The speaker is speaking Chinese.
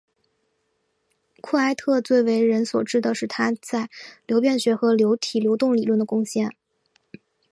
库埃特最为人所知的是他在流变学和流体流动理论的贡献。